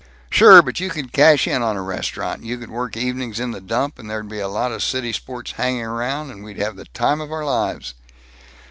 "Sure, but you could cash in on a restaurant you could work evenings in the dump, and there'd be a lot of city sports hanging around, and we'd have the time of our lives."